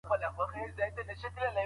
املا اورېدل پیاوړي کوي.